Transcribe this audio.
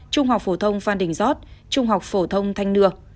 trung học phổ thông phan đình giót trung học phổ thông thanh nưa